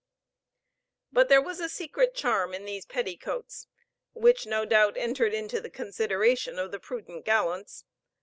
But there was a secret charm in these petticoats, which, no doubt, entered into the consideration of the prudent gallants.